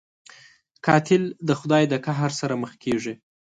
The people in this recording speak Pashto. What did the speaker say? قاتل د خدای د قهر سره مخ کېږي